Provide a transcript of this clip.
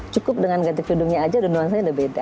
cukup dengan ganti ganti judungnya aja udah nuansanya udah beda